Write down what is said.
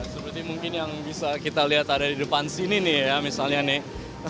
seperti mungkin yang bisa kita lihat ada di depan sini nih ya misalnya nih